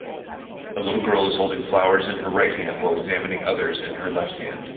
A little girl is holding flowers in her right hand while examining others in her left hand.